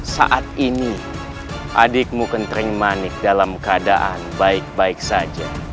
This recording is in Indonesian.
saat ini adikmu kentring manik dalam keadaan baik baik saja